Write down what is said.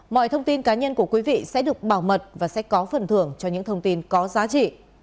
mọi thông tin cá nhân của quý vị sẽ được bảo mật và sẽ có phần thưởng cho những thông tin có giá trị